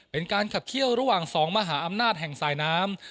เป็นการขับเคี่ยวระหว่าง๒มหาอำนาจแห่งสายน้ำ